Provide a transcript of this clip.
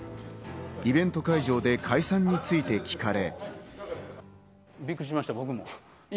イベント会場で解散について聞かれ。